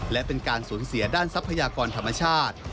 และเป็นการสูญเสียด้านทรัพยากรธรรมชาติ